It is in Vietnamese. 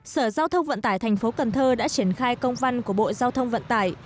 sở giao thông vận tải thành phố cần thơ đã triển khai công văn của bộ giao thông vận tải